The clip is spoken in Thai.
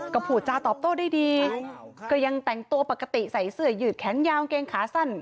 ก็พูดจาตอบโต้ได้ดีก็ยังแต่งตัวปกติใส่เสื้อยืดแขนยาวเกงขาสั้น